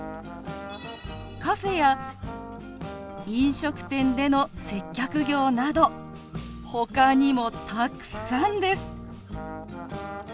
「カフェや飲食店での接客業」などほかにもたくさんです。